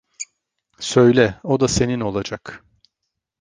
Söyle, o da senin olacak!